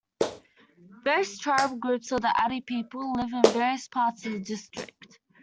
Various tribal groups of the Adi people live in various parts of the district.